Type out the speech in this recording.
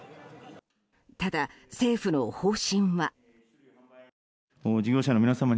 ただ、政府の方針は。